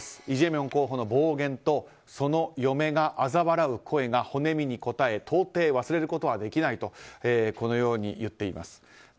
イ・ジェミョン候補の暴言とその嫁があざ笑う声が骨身にこたえ到底忘れることはできないと言っています。